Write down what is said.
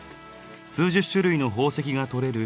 数十種類の宝石が採れる